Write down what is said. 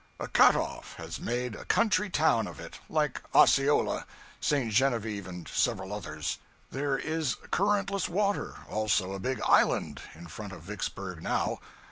A cut off has made a country town of it, like Osceola, St. Genevieve, and several others. There is currentless water also a big island in front of Vicksburg now.